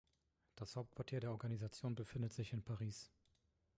Das Hauptquartier der Organisation befindet sich in Paris.